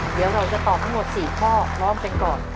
เดี๋ยวเราจะตอบทั้งหมด๔ข้อพร้อมกันก่อน